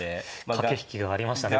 駆け引きがありましたね